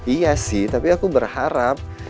iya sih tapi aku berharap